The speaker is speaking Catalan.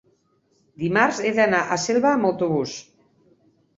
Dimarts he d'anar a Selva amb autobús.